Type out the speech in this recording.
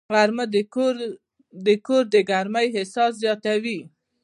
غرمه د کور د ګرمۍ احساس زیاتوي